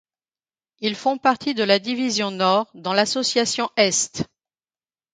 Ils font partie de la division Nord dans l'assocation Est.